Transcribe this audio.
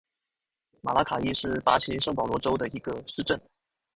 马拉卡伊是巴西圣保罗州的一个市镇。